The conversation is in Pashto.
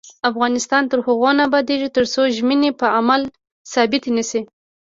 افغانستان تر هغو نه ابادیږي، ترڅو ژمنې په عمل ثابتې نشي.